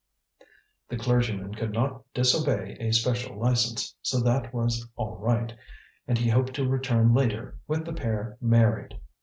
The clergyman could not disobey a special license, so that was all right, and he hoped to return later with the pair married.